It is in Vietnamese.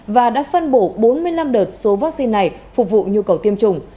và đã phân bổ bốn mươi năm đợt số vaccine này phục vụ nhu cầu tiêm chủng